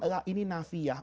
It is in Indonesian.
lah ini nafiah